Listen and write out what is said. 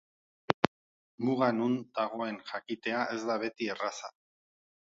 Muga non dagoen jakitea ez da beti erraza.